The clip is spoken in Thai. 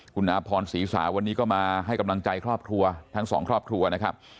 คุณอาพรศรีสาวันนี้ก็มาให้กำลังใจครอบครัวทั้งสองครอบครัวนะครับ